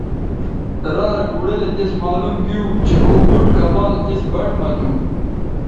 را رے بوڑیلے تس معلوم گیو چہء او بُٹ کمال اِس بَٹ مہ تھو